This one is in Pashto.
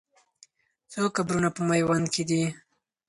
څو قبرونه په میوند کې دي؟